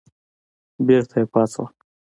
بېرته یې پاڅول.